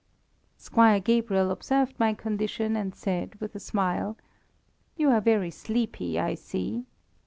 Squire Gabriel observed my condition, and said, with a smile "You are very sleepy, I see."